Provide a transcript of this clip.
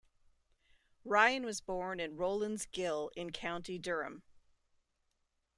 Ryan was born in Rowlands Gill in County Durham.